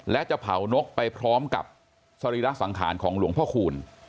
และจะเผานกไปพร้อมกับสรีระสังขารของหลวงพ่อคูณ